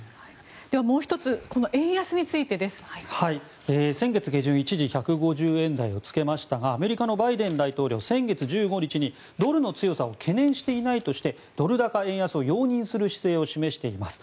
では、もう１つ円安についてです。先月下旬一時、１５０円台をつけましたがアメリカのバイデン大統領先月１５日にドルの強さを懸念していないとしてドル高・円安を容認する姿勢を示しています。